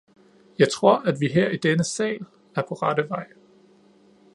Jeg tror, at vi her i denne sal er på rette vej.